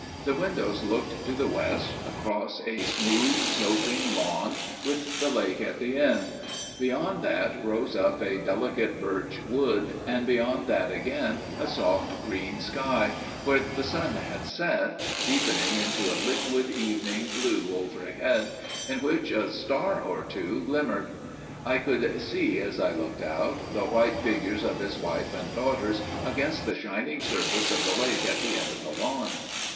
The windows looked to the west, across a smooth sloping lawn, with the lake at the end; beyond that rose up a delicate birch wood, and beyond that again a soft green sky, where the sun had set, deepening into a liquid evening blue overhead, in which a star or two glimmered. I could see, as I looked out, the white figures of his wife and daughters against the shining surface of the lake at the end of the lawn.